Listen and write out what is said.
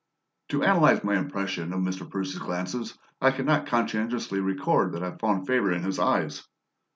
To analyse my impression of Mr. Percy's glances, I cannot conscientiously record that I found favour in his eyes.